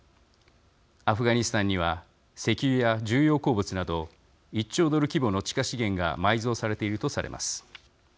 アフガニスタンには石油や重要鉱物など１兆ドル規模の地下資源が埋蔵されているとされます。